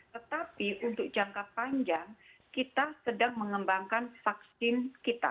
tetapi untuk jangka panjang kita sedang mengembangkan vaksin kita